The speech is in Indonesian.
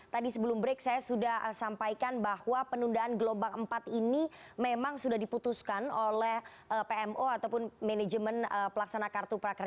tadi sebelum break saya sudah sampaikan bahwa penundaan gelombang empat ini memang sudah diputuskan oleh pmo ataupun manajemen pelaksana kartu prakerja